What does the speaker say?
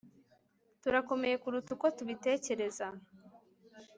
turakomeye kuruta uko tubitekereza